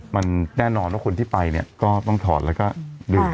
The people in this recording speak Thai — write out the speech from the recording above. มันแน่นอนว่าคนที่ไปต้องถอดดึง